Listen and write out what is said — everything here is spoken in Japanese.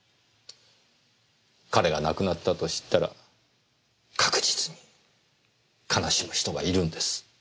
彼が亡くなったと知ったら確実に悲しむ人がいるんです。